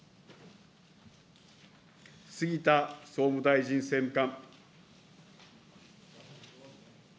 杉田総務大臣政務官。